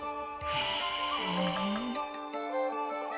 へえ。